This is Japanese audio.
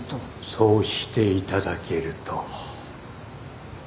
そうしていただけると。